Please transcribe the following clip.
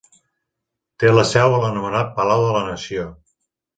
Té la seu en l'anomenat Palau de la Nació.